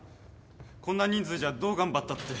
こんな人数じゃどう頑張ったって。